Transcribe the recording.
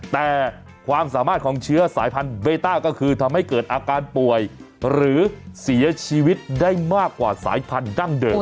แต่ความสามารถของเชื้อสายพันธุเบต้าก็คือทำให้เกิดอาการป่วยหรือเสียชีวิตได้มากกว่าสายพันธั้งเดิม